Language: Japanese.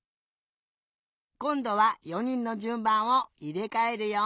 こんどは４にんのじゅんばんをいれかえるよ。